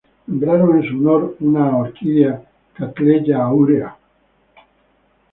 Nombraron en su honor una orquídea Cattleya Aurea, var.